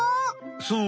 そう。